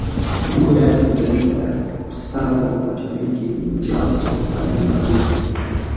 Mbuga ya Kitaifa ya Tsavo Mashariki ni mojawapo hifadhi maarufu